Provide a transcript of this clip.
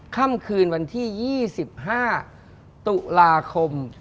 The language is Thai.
ค่ำคืนวันที่๒๕ตุลาคม